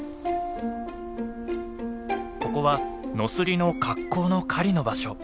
ここはノスリの格好の狩りの場所。